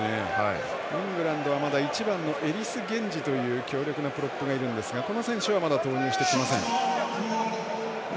イングランド１番のエリス・ゲンジという強力なプロップがいるんですがこの選手はまだ投入してきません。